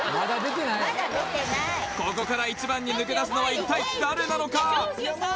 ここから１番に抜け出すのは一体誰なのか？